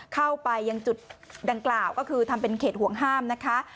เข้าไปยังจุดดังกล่าวก็คือทำเป็นเขตห่วงห้ามนะคะ